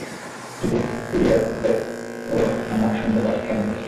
তুরীয়ানন্দের ও আমার সুন্দর বাসস্থান মিলেছে।